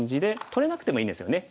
取れなくてもいいんですよね。